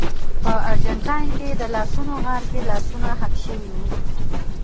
په ارجنټاین کې د لاسونو غار کې لاسونه حک شوي وو.